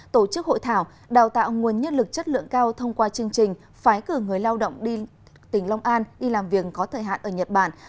tổ chức hội thảo đào tạo nguồn nhân lực chất lượng cao thông qua chương trình phái cử người lao động đi tỉnh long an đi làm việc có thời hạn ở nhật bản